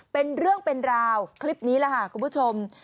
เป็นเรื่องเป็นราวคลิปนี้แหละค่ะคุณผู้ชม